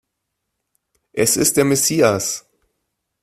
Es ist der Messias!